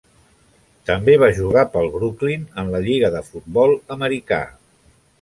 També va jugar pel Brooklyn en la Lliga de futbol americà.